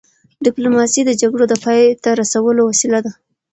ډيپلوماسي د جګړو د پای ته رسولو وسیله ده.